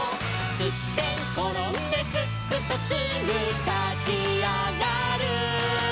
「すってんころんですっくとすぐたちあがる」